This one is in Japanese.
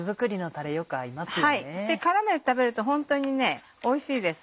絡めて食べるとホントにおいしいです。